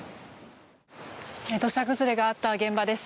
土砂崩れがあった現場です。